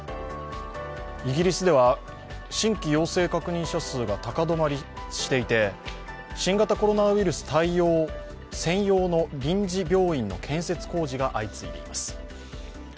イギリスでは新規陽性確認者数が高止まりしていて新型コロナウイルス専用の臨時病院の建設工事が相次いでいます。